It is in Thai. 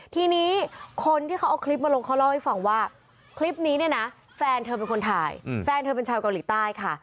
ทีนี้คนที่เขาเอาคลิปมาลงเขาเล่าให้ฟังว่าคลิปนี้เนี่ยนะแฟนเธอเป็นคนถ่ายแฟนเธอเป็นชาวเกาหลีใต้ค่ะ